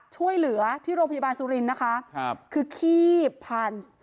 ช่วยเหลือที่โรงพยาบาลสุรินทร์นะคะคือขี้ผ่าน